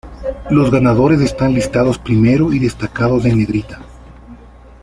Los ganadores están listados primero y destacados en negrita.